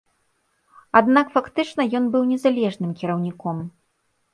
Аднак фактычна ён быў незалежным кіраўніком.